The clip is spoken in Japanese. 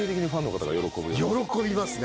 喜びますね